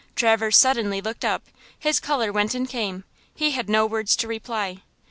Traverse suddenly looked up, his color went and came, he had no words to reply.